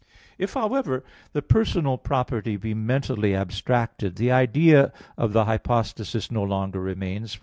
If, however, the personal property be mentally abstracted, the idea of the hypostasis no longer remains.